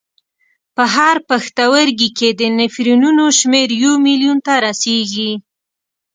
په هر پښتورګي کې د نفرونونو شمېر یو میلیون ته رسېږي.